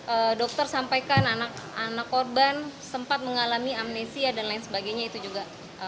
tadi dokter sampaikan anak korban sempat mengalami amnesia dan lain sebagainya itu juga